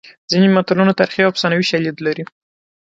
ځینې متلونه تاریخي او افسانوي شالید لري